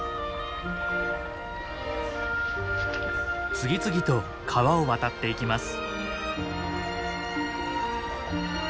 次々と川を渡っていきます。